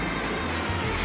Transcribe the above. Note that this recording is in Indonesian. jangan makan aku